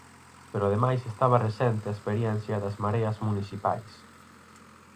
Pero ademais estaba recente a experiencia das mareas municipais.